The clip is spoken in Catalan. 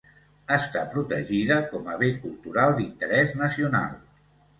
Està protegida com a bé cultural d'interès nacional.